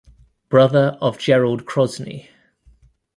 Brother of Gerald Krosney.